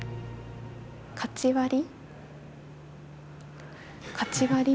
「カチ割り」？